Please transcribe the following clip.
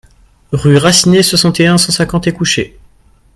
Rue Racinet, soixante et un, cent cinquante Écouché